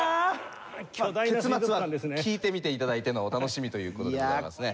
結末は聴いてみて頂いてのお楽しみという事でございますね。